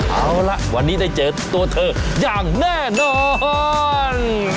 เอาละวันนี้ได้เจอตัวเธออย่างแน่นอน